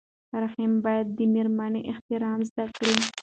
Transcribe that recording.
رحیم باید د مېرمنې احترام زده کړي.